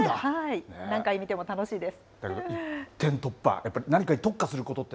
何回見ても楽しいです。